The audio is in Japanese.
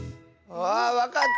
あわかった！